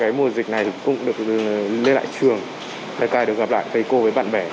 qua cái mùa dịch này cũng được lên lại trường để được gặp lại với cô với bạn bè